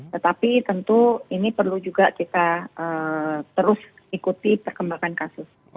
tetapi tentu ini perlu juga kita terus ikuti perkembangan kasus